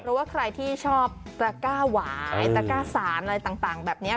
เพราะว่าใครที่ชอบตระก้าหวายตระก้าสารอะไรต่างแบบนี้